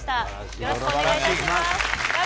よろしくお願いします。